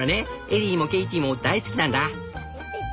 エリーもケイティも大好きなんだ」。